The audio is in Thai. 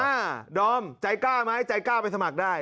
ดอมใจกล้าไหมใจกล้าไปสมัครได้